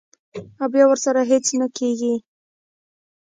او بیا ورسره هېڅ نۀ کيږي -